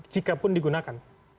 jika pun digunakan